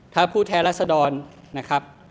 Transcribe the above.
ถ้าผู้แท้รัศดรนะครับ